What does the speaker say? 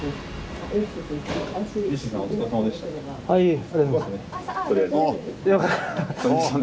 はい。